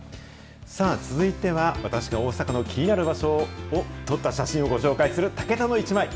続いては、私が大阪の気になる場所を撮った写真をご紹介する、タケタのイチマイ。